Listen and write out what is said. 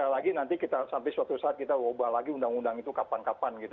jadi nanti kita sampai suatu saat kita ubah lagi undang undang itu kapan kapan gitu